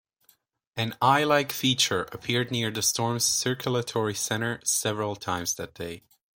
An eye-like feature appeared near the storm's circulatory center several times that day.